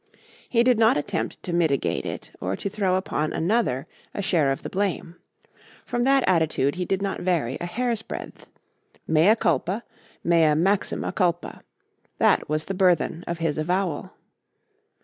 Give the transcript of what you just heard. He did not attempt to mitigate it or to throw upon another a share of the blame. From that attitude he did not vary a hair's breadth. Mea culpa; mea maxima culpa. That was the burthen of his avowal.